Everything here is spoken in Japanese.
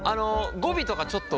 語尾とかちょっと。